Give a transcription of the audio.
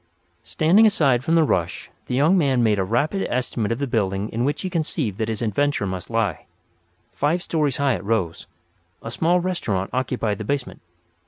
Standing aside from the rush, the young man made a rapid estimate of the building in which he conceived that his adventure must lie. Five stories high it rose. A small restaurant occupied the basement.